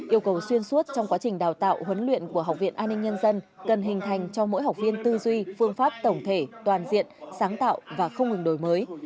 yêu cầu xuyên suốt trong quá trình đào tạo huấn luyện của học viện an ninh nhân dân cần hình thành cho mỗi học viên tư duy phương pháp tổng thể toàn diện sáng tạo và không ngừng đổi mới